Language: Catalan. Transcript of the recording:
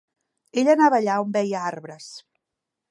Ell anava allà on veia arbres